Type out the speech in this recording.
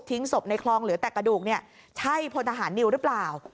ศพในคลองเหลือแต่กระดูกเนี่ยใช่พลทหารนิวหรือเปล่า